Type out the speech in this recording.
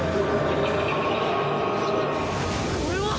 これは！？